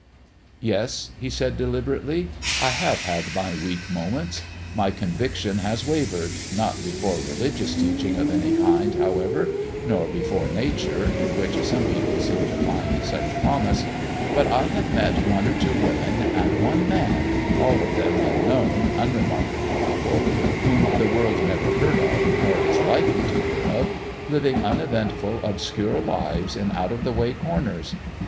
"Yes," he said deliberately; "I have had my weak moments. My conviction has wavered, not before religious teaching of any kind, however, nor before Nature, in which some people seem to find such promise; but I have met one or two women, and one man all of them unknown, unremarkable people whom the world never heard of, nor is likely to hear of, living uneventful obscure lives in out of the way corners.